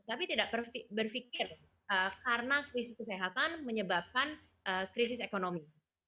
tapi tidak berpikir karena krisis kesehatan menyebabkan krisis ekonomi